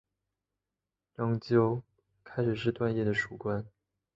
张骘开始是段业的属官。